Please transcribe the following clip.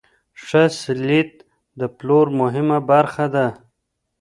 ښه سلیت د پلور مهمه برخه ده.